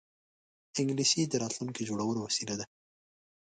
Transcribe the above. انګلیسي د راتلونکې د جوړولو وسیله ده